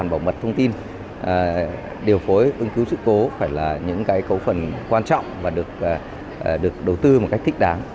bảo mật thông tin điều phối ứng cứu sự cố phải là những cái cấu phần quan trọng và được đầu tư một cách thích đáng